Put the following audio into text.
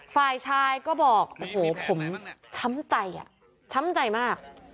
ฝ่ายชายก็บอกโอ้โหผมช้ำใจช้ำใจมาก